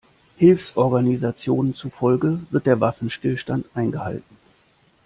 Hilfsorganisationen zufolge wird der Waffenstillstand eingehalten.